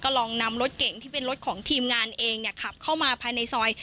ลองนำรถเก่งที่เป็นรถของทีมงานเองขับเข้ามาภายในซอย